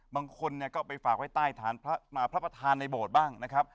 บางคนเนี่ยก็ไปฝากไว้ใต้ภาพภาษาในโบสถ์บ้างนะครับ